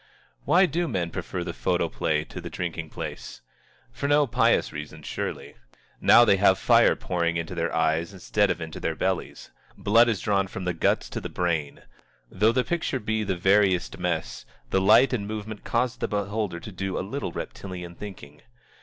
Why do men prefer the photoplay to the drinking place? For no pious reason, surely. Now they have fire pouring into their eyes instead of into their bellies. Blood is drawn from the guts to the brain. Though the picture be the veriest mess, the light and movement cause the beholder to do a little reptilian thinking.